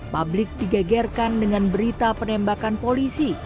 publik digegerkan dengan berita penembakan polisi